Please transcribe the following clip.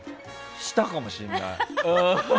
したかもしれない。